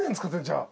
じゃあ。